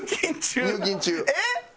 えっ！